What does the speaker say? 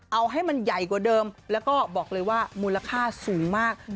เอาให้มันใหญ่กว่าเดิมแล้วก็บอกเลยว่ามูลค่าสูงมาก